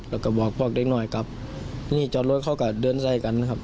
เราก็บอกบอกได้หน่อยครับที่นี่จอดรถเขากับเดินใส่กันครับ